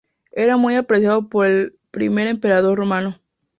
Era muy apreciado por el primer emperador romano.